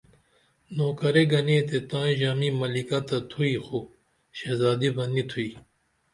نوکرے گنے تے تائیں ژامی ملکہ تہ تھوئی خو شہزادی بہ نی تھوئی